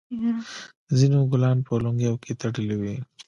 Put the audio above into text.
ځینو ګلان په لونګیو کې تړلي وي.